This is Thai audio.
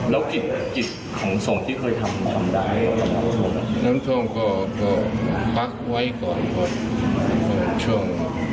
แล้วจิตของส่งที่เคยทำทำได้น้ำท่องก็ก็พักไว้ก่อน